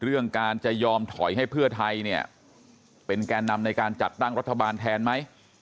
เรื่องการจะยอมถอยให้เพื่อไทยเนี่ยเป็นแก่นำในการจัดตั้งรัฐบาลแทนไหม